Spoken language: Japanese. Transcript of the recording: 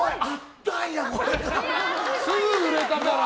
すぐ売れたから。